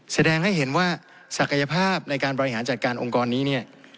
แสดงให้เห็นว่าศักยภาพในการบริหารจัดการองค์กรนี้เนี่ย